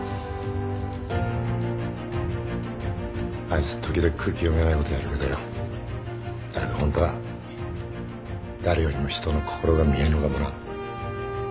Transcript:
あいつ時々空気読めないことやるけどよだけどホントは誰よりも人の心が見えるのかもな。